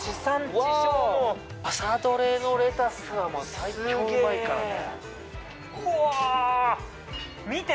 朝採れのレタスは最強うまいからね。